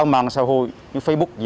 trả lại cho những đối tượng